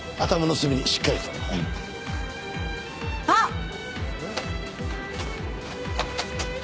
あっ！